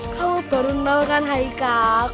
kamu baru nol kan hai kak